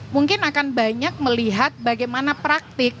mungkin akan banyak melihat bagaimana praktik